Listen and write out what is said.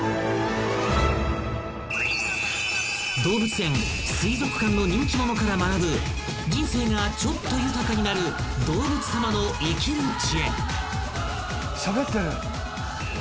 ［動物園水族館の人気者から学ぶ人生がちょっと豊かになる動物さまの生きる知恵］